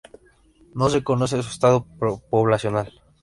No se conoce su estado poblacional.